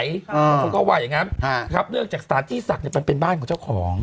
เขาก็ว่าอย่างนั้นเนื่องจากสถานที่ศักดิ์มันเป็นบ้านของเจ้าของ